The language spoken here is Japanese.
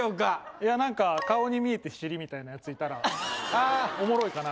いやなんか顔に見えて尻みたいなやついたらおもろいかな。